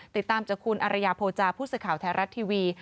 ติดตามจักรคุณอารยาโพจาพูดสิทธิ์ข่าวแท้รัฐทีวี